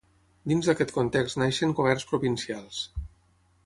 Dins d'aquest context neixen governs provincials.